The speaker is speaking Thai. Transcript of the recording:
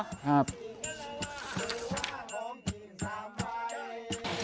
ต้องเสื้อบเลยคุณแอนพระยาบาล